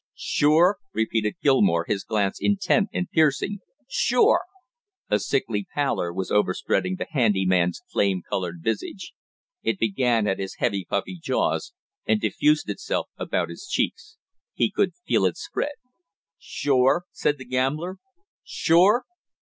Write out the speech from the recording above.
"Sure?" repeated Gilmore, his glance intent and piercing. "Sure?" A sickly pallor was overspreading the handy man's flame colored visage. It began at his heavy puffy jaws, and diffused itself about his cheeks. He could feel it spread. "Sure?" said the gambler. "Sure?"